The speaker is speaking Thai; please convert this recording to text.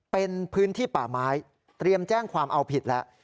เป็นพื้นที่ป่าไม้เตรียมแจ้งความเอาผิดแล้ว